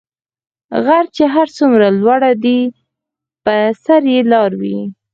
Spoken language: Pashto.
غر چی هر څومره لوړ دي په سر یي لار وي .